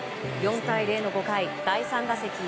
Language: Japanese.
４対０の５回第３打席。